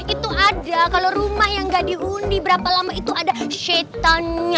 itu ada kalau rumah yang nggak dihuni berapa lama itu ada syetannya